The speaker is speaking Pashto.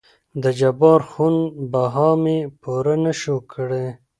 دجبار خون بها مې پوره نه شوى کړى.